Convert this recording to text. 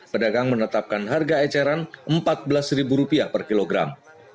pedagang menetapkan harga eceran rp empat belas per kilogram